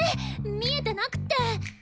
見えてなくって。